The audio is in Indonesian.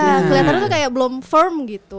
iya keliatannya tuh kayak belum firm gitu